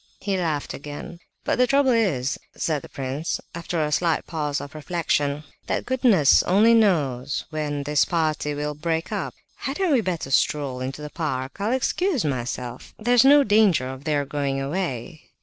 He laughed again. "But the trouble is," said the prince, after a slight pause for reflection, "that goodness only knows when this party will break up. Hadn't we better stroll into the park? I'll excuse myself, there's no danger of their going away."